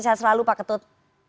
saya selalu pak ketut